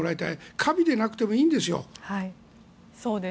華美でなくてもいいんです。